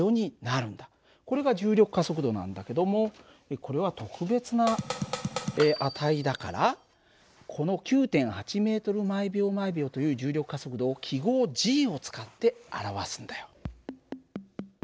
これが重力加速度なんだけどもこれは特別な値だからこの９．８ｍ／ｓという重力加速度を記号を使って表すんだよ。